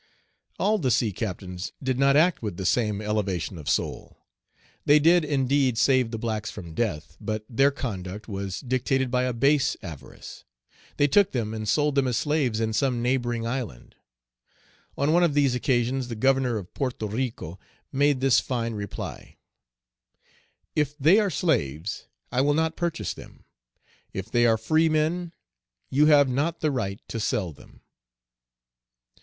All the sea captains did not act with the same elevation of soul. They did, indeed, save the blacks from death, but their conduct was dictated by a base avarice; they took them and sold them as slaves in some neighboring island. On one of these occasions, the Governor of Porto Rico made this fine reply: "If they are slaves, I will not purchase them; if they are free men, you have not the right to sell them."